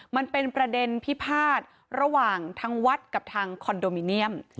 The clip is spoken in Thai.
มันเป็นประเด็นพิพาทระหว่างทางวัดกับทางคอนโดมิเนียม